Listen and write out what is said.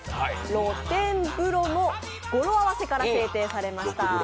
「ろ・てん・ぶろ」の語呂合わせから制定されました。